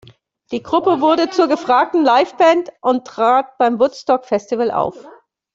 Die Gruppe wurde zur gefragten Liveband und trat beim Woodstock-Festival auf.